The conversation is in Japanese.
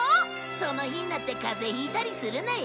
その日になって風邪引いたりするなよ。